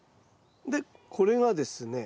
でこれがですね